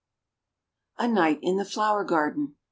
A NIGHT IN THE FLOWER GARDEN.